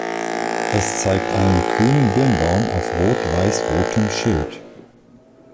Es zeigt einen grünen Birnbaum auf rot-weiß-rotem Schild.